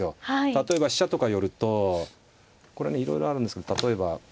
例えば飛車とか寄るとこれねいろいろあるんですけど例えばまあ。